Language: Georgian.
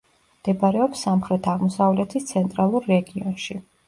მდებარეობს სამხრეთ-აღმოსავლეთის ცენტრალურ რეგიონში.